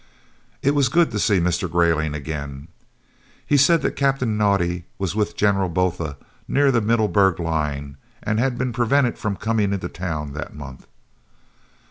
It was good to see Mr. Greyling again. He said that Captain Naudé was with General Botha near the Middelburg line and had been prevented from coming into town that month.